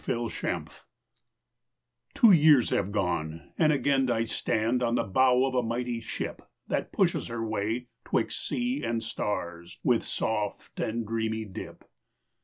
RE RECKONING Two years have gone, and again I stand On the bow of a mighty ship That pushes her way 'twixt sea and stars With soft and dreamy dip.